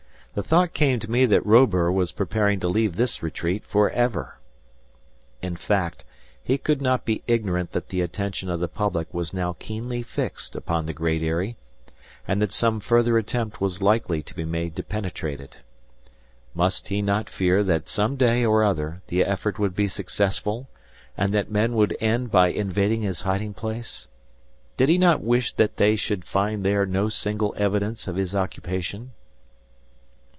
The thought came to me that Robur was preparing to leave this retreat forever! In fact, he could not be ignorant that the attention of the public was now keenly fixed upon the Great Eyrie; and that some further attempt was likely to be made to penetrate it. Must he not fear that some day or other the effort would be successful, and that men would end by invading his hiding place? Did he not wish that they should find there no single evidence of his occupation?